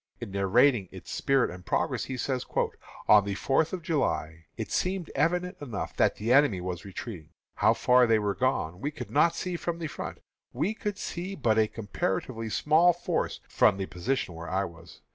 In narrating its spirit and progress, he says: "On the fourth of July it seemed evident enough that the enemy were retreating. How far they were gone we could not see from the front. We could see but a comparatively small force from the position where I was.